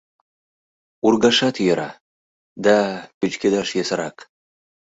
Ургашат йӧра. да, пӱчкедаш йӧсырак.